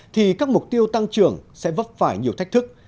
thì các mục tiêu tăng trưởng sẽ vấp phải nhiều thách thức